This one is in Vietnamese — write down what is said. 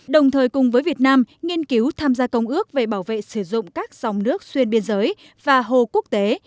đồng thời cùng với việt nam nghiên cứu tham gia công ước về bảo vệ sử dụng các dòng nước xuyên biên giới và hồ quốc tế